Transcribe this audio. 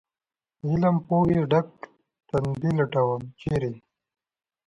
علم پوهې ډک تندي لټوم ، چېرې ؟